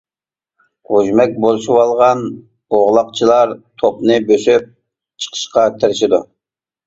غۇژمەك بولۇشۇۋالغان ئوغلاقچىلار توپنى بۆسۈپ چىقىشقا تىرىشىدۇ.